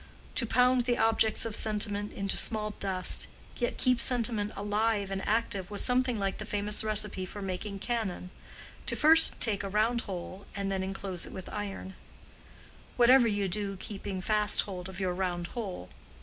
To pound the objects of sentiment into small dust, yet keep sentiment alive and active, was something like the famous recipe for making cannon—to first take a round hole and then enclose it with iron; whatever you do keeping fast hold of your round hole.